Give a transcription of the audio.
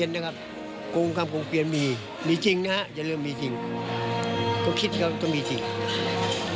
ถ้าต้องมีที่รุนธรรมบาทของตามไวศภ์